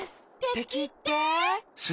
てきって？